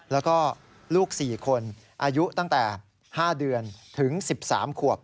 แล้วก็ลูก๔คนอายุตั้งแต่๕เดือนถึง๑๓ขวบ